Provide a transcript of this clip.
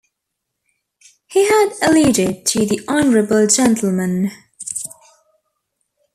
He had alluded to the honourable gentleman.